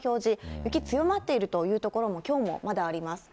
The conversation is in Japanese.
雪、強まっているという所も、きょうもまだあります。